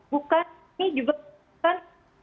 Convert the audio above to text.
bukan ini juga bukan